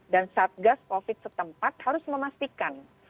dan saat gas covid setempat harus memastikan